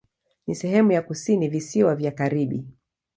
Ni sehemu ya kusini Visiwa vya Karibi.